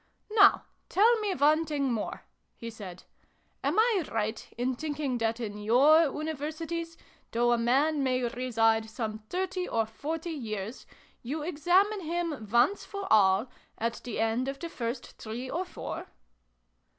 " Now tell me one thing more," he said. " Am I right in thinking that in your Universities, though a man may reside some thirty or forty years, you examine him, once for all, at the end of the first three or four